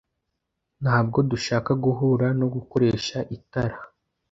Ntabwo dushaka guhura nogukoresha itara